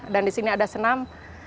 dan disini ada senam